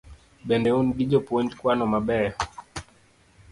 Bende un gi jopuonj kwano mabeyo?